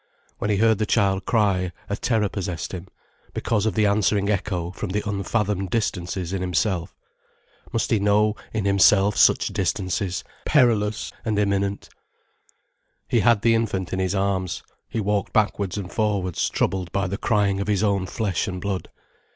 When he heard the child cry, a terror possessed him, because of the answering echo from the unfathomed distances in himself. Must he know in himself such distances, perilous and imminent? He had the infant in his arms, he walked backwards and forwards troubled by the crying of his own flesh and blood.